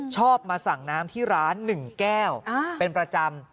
ชอบมาสั่งน้ำที่ร้าน๑แก้วเป็นประจำ